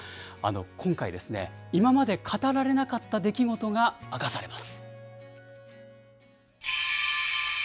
今回ですね、今まで語られなかった出来事が明かされます。